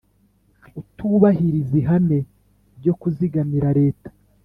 Utubahiriza ihame ryo kuzigamira leta